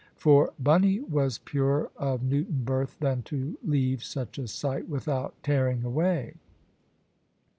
For Bunny was purer of Newton birth than to leave such a sight without tearing away.